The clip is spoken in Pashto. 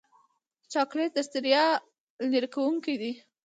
چاکلېټ د ستړیا لرې کوونکی دی.